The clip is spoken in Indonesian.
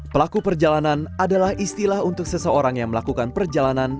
pelaku perjalanan adalah istilah untuk seseorang yang melakukan perjalanan